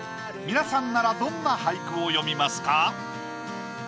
皆さんならどんな俳句を詠みますか？